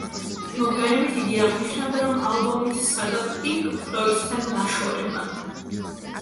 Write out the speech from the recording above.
მოგვიანებით იგი აღნიშნავდა, რომ ალბომით სცადა პინკ ფლოიდთან დაშორება.